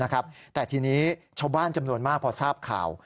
ค่ะนะครับแต่ทีนี้ชาวบ้านจำนวนมากพอทราบข่าว